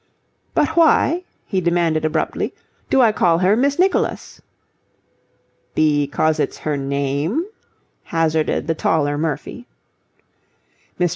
But why," he demanded abruptly, "do I call her Miss Nicholas?" "Because it's her name," hazarded the taller Murphy. Mr.